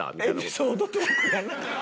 エピソードトークやな。